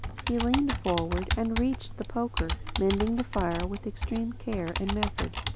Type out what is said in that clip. He leaned forward and reached the poker, mending the fire with extreme care and method.